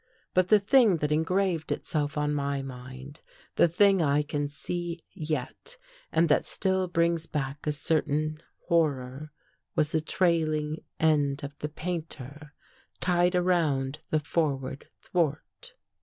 But the thing that en graved itself on my mind — the thing I can see yet, and that still brings back a certain horror, was the trailing end of the painter tied around the forward thwart.